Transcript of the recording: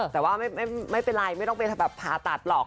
แต่ว่าไม่เป็นไรไม่ต้องไปผ่าตัดหรอก